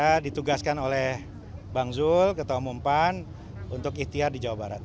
saya ditugaskan oleh bang zul ketua umum pan untuk ikhtiar di jawa barat